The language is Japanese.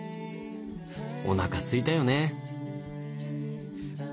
おなかすいたよね。